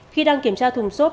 khi đang kiểm tra thùng xốp